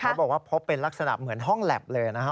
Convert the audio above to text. บอกว่าพบเป็นลักษณะเหมือนห้องแล็บเลยนะฮะ